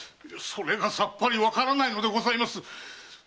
それがさっぱりわからないのでございます。